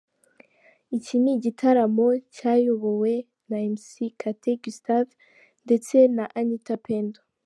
Iki ni igitaramo cyayobowe na Mc Kate Gustave ndetse na Anitha Pendo.